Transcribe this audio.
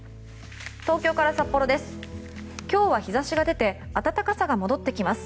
東京から札幌です。